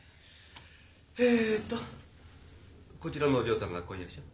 えっとこちらのお嬢さんが婚約者？